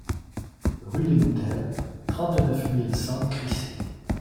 Rue des Moutelles, trente-neuf mille cent Crissey